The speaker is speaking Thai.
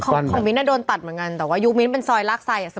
ของมิ้นท์โดนตัดเหมือนกันแต่ว่ายุคมิ้นท์เป็นซอยลากไซด